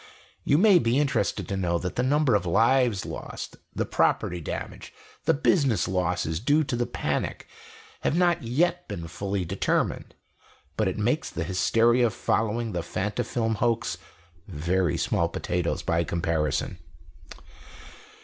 You may be interested to know that the number of lives lost, the property damage, the business losses due to the panic, have not yet been fully determined; but it makes the hysteria following the Fantafilm hoax very small potatoes by comparison.